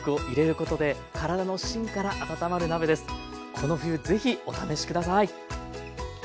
この冬ぜひお試し下さい。